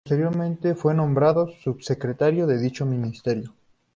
Posteriormente fue nombrado subsecretario de dicho ministerio.